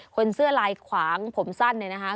คนเสื้อลายขวางผมสั้นเนี่ยนะคะ